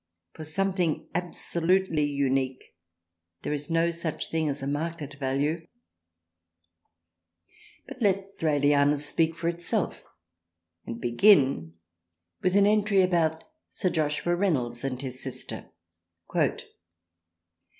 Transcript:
For something absolutely unique, there is no such thing as a market value. But let " Thraliana " speak for itself, and begin with an entry about Sir Joshua Reynolds and his 6 THRALIANA sister.